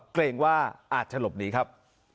เกรงว่าอาจจะหลบหนีครับ